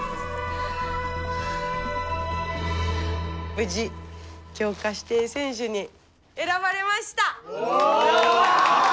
無事強化指定選手に選ばれました！